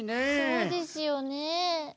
そうですよね。